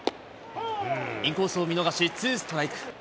インコースを見逃し、ツーストライク。